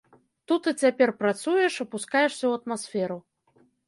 Тут і цяпер працуеш, апускаешся ў атмасферу.